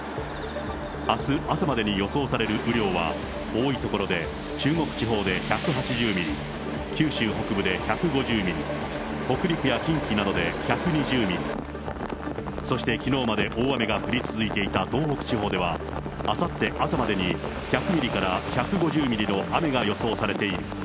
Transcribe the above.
あす朝までに予想される雨量は、多い所で中国地方で１８０ミリ、九州北部で１５０ミリ、北陸や近畿などで１２０ミリ、そしてきのうまで大雨が降り続いていた東北地方では、あさって朝までに１００ミリから１５０ミリの雨が予想されている。